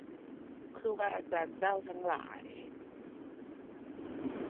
ครูบาอาจารย์เจ้าทั้งหลาย